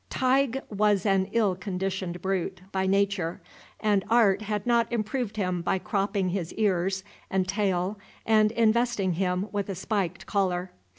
Tige was an ill conditioned brute by nature, and art had not improved him by cropping his ears and tail and investing him with a spiked collar.